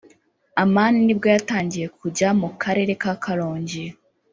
Amani nibwo yatangiye kujya mu Karere ka Karongi